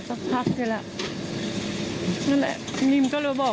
แบบนี้มันก็รู้แม้ตอนบ่ายดีแหมากว่าน้องชายมันอีก